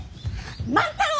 万太郎！